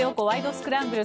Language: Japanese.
スクランブル」。